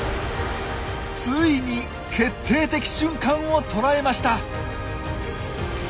ついに決定的瞬間を捉えました！